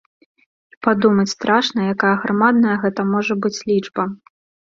І падумаць страшна, якая аграмадная гэта можа быць лічба!